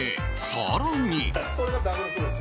更に。